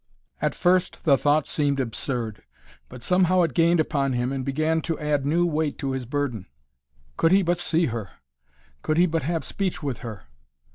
At first the thought seemed absurd, but somehow it gained upon him and began to add new weight to his burden. Could he but see her! Could he but have speech with her.